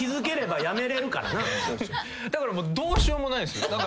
だからどうしようもないんです。